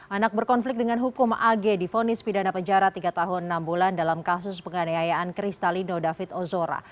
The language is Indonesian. anak berkonflik dengan hukum ag difonis pidana penjara tiga tahun enam bulan dalam kasus penganiayaan kristalino david ozora